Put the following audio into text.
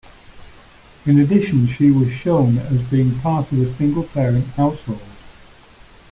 In addition, she was shown as being part of a single-parent household.